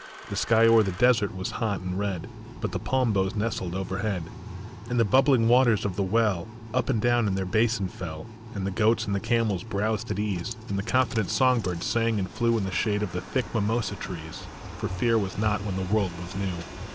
The sky o er the desert was hot and red, But the palm boughs nestled overhead, And the bubbling waters of the well Up and down in their basin fell, And the goats and the camels browsed at ease, And the confident song birds sang and flew In the shade of the thick mimosa trees ; For fear was not when the world was new.